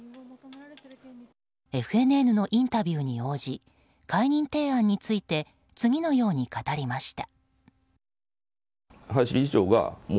ＦＮＮのインタビューに応じ解任提案について次のように語りました。